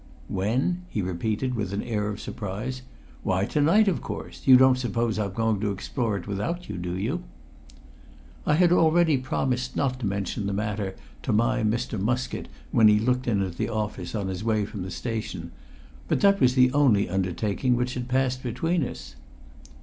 "When?" he repeated with an air of surprise. "Why to night, of course; you don't suppose I'm going to explore it without you, do you?" I had already promised not to mention the matter to my Mr. Muskett when he looked in at the office on his way from the station; but that was the only undertaking which had passed between us.